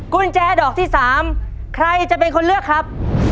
กุญแจดอกที่๓ใครจะเป็นคนเลือกครับ